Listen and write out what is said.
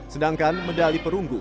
sedangkan medali perunggu